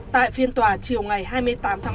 tại phiên tòa chiều ngày hai mươi tám tháng ba